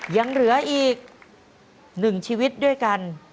ยังเหลืออีก๑ชีวิตด้วยกัน